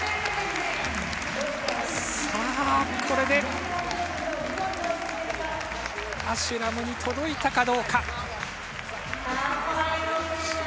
さぁこれでアシュラムに届いたかどうか。